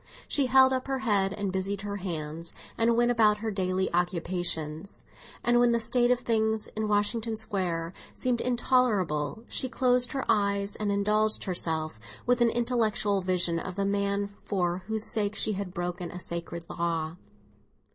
She held up her head and busied her hands, and went about her daily occupations; and when the state of things in Washington Square seemed intolerable, she closed her eyes and indulged herself with an intellectual vision of the man for whose sake she had broken a sacred law.